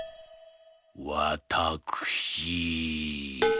わたくしー」。